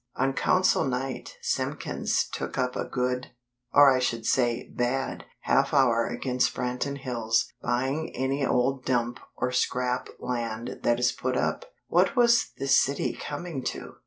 On Council night, Simpkins took up a good, or I should say, bad half hour against Branton Hills "buying any old dump or scrap land that is put up. What was this city coming to?"